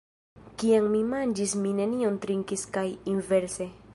Kiam mi manĝis mi nenion trinkis kaj inverse.